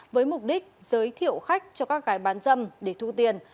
với mục đích giới thiệu khách cho các gái bán dâm để thu tiền